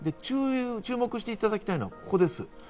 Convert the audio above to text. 注目していただきたいのはここです。